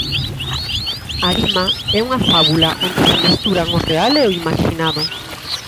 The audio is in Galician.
Arima é unha fábula onde se mesturan o real e o imaxinado.